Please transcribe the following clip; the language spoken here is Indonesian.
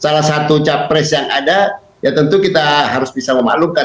salah satu capres yang ada ya tentu kita harus bisa memaklukkan